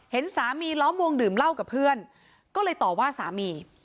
เห็นสามีล้อมวงดื่มเหล้ากับเพื่อนก็เลยต่อว่าสามี